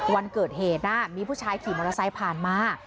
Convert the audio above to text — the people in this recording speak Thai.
วันเกิดเหตุมีผู้ชายขี่มอเตอร์ไซค์ผ่านมา